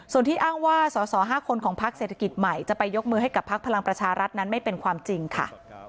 ส่วนที่อ้างว่าสอสอ๕คนของพักเศรษฐกิจใหม่จะไปยกมือให้กับพักพลังประชารัฐนั้นไม่เป็นความจริงค่ะ